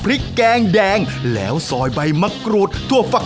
อร่อยเชียบแน่นอนครับอร่อยเชียบแน่นอนครับ